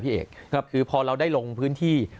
พี่เอกคือพอเราได้ลงพื้นที่